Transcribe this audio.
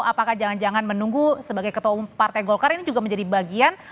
apakah jangan jangan menunggu sebagai ketua umum partai golkar ini juga menjadi bagian